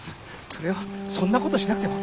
それを「そんなことしなくても」？